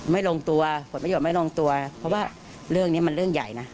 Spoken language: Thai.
ลงตัวผลประโยชน์ไม่ลงตัวเพราะว่าเรื่องนี้มันเรื่องใหญ่นะ